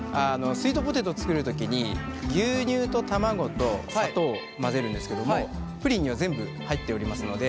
スイートポテト作る時に牛乳と卵と砂糖を混ぜるんですけどもプリンには全部入っておりますので。